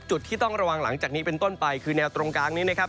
จุดที่ต้องระวังหลังจากนี้เป็นต้นไปคือแนวตรงกลางนี้นะครับ